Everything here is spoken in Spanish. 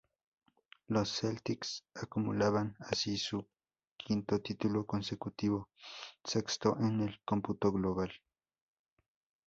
Los Celtics acumulaban así su quinto título consecutivo, sexto en el cómputo global.